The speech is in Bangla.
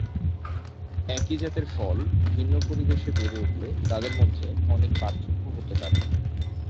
একই জাতের ফল ভিন্ন পরিবেশে বেড়ে উঠলে তাদের মধ্যে অনেক পার্থক্য হতে পারে।